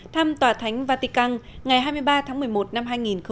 thăm tòa thánh vatican ngày hai mươi ba tháng một mươi một năm hai nghìn một mươi chín